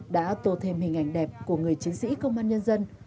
đã tô thêm hình ảnh đẹp của người chiến sĩ công an nhân dân